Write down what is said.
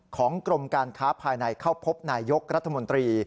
ของกรมการค้าภายในเข้าพบนายยกรัฐมนตรี